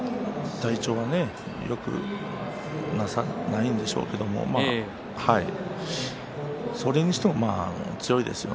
体調がよくないんでしょうけどもそれにしても強いと思いますよ。